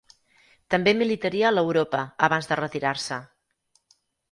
També militaria a l'Europa abans de retirar-se.